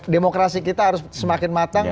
demokrasi kita harus semakin matang